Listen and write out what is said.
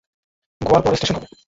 গোয়ার পরের স্টেশন হবে।